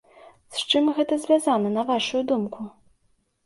З чым гэта звязана на вашую думку?